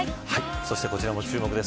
そして、こちらも注目です。